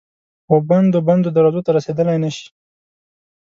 وبندو، بندو دروازو ته رسیدلای نه شي